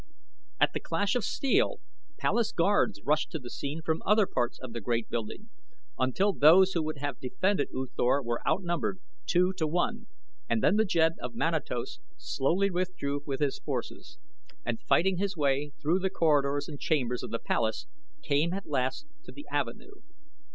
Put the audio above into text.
At the clash of steel, palace guards rushed to the scene from other parts of the great building until those who would have defended U Thor were outnumbered two to one, and then the jed of Manatos slowly withdrew with his forces, and fighting his way through the corridors and chambers of the palace came at last to the avenue.